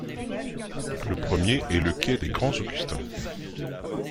Le premier est le quai des Grands-Augustins.